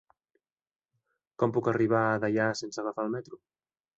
Com puc arribar a Deià sense agafar el metro?